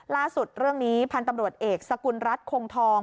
เรื่องนี้พันธุ์ตำรวจเอกสกุลรัฐคงทอง